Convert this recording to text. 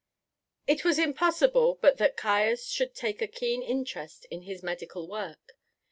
It was impossible but that Caius should take a keen interest in his medical work.